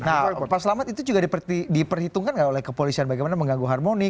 nah paslamat itu juga diperhitungkan gak oleh kepolisian bagaimana mengganggu harmoni